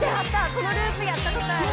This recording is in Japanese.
このループやったことある。